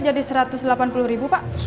jadi satu ratus delapan puluh ribu pak